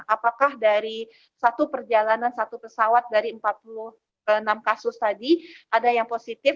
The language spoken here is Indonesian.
apakah dari satu perjalanan satu pesawat dari empat puluh enam kasus tadi ada yang positif